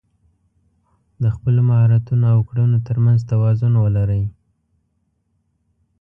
د خپلو مهارتونو او کړنو تر منځ توازن ولرئ.